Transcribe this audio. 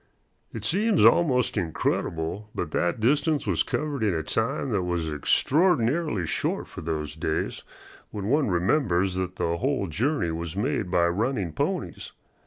It seems almost incredible, but that distance was covered in a time that was extraordinarily short for those days, when one remembers that the whole journey was made by running ponies.